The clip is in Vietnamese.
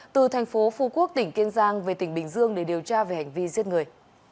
từ tp phu quốc tỉnh kiên giang về tỉnh bình dương để điều tra về hành vi giết người